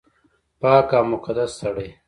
پاک او مقدس سړی